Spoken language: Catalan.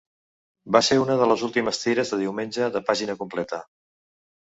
Va ser una de les últimes tires de diumenge de pàgina completa.